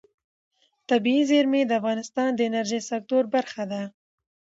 طبیعي زیرمې د افغانستان د انرژۍ سکتور برخه ده.